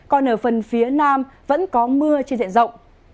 còn ở phần phía nam vẫn có mưa trên diện rộng